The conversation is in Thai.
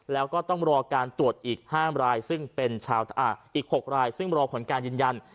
แล้วก็ต้องรอการตรวจอีก๖รายซึ่งรอผลการยืนยัน